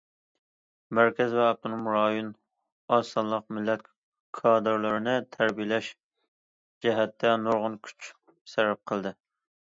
مەركەز ۋە ئاپتونوم رايون ئاز سانلىق مىللەت كادىرلىرىنى تەربىيەلەش جەھەتتە نۇرغۇن كۈچ سەرپ قىلدى.